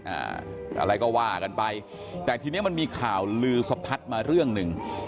อะไรก็ว่ากันไปแต่ทีเนี้ยมันมีข่าวลือสะพัดมาเรื่องหนึ่ง